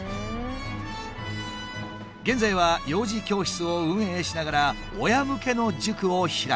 現在は幼児教室を運営しながら親向けの塾を開いている。